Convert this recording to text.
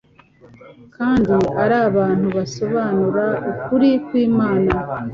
kandi ari abantu basobanura ukuri kw'Imana.